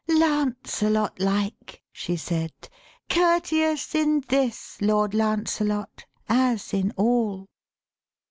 'Lancelot like,' she said, 'Courteous in this, Lord Lancelot, as in all.'